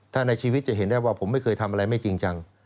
ถ้าในชีวิตจะเห็นได้ว่าผมไม่เคยทำอะไรไม่จริงจัง